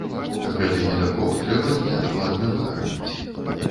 Гэты недахоп трэба неадкладна выкараніць.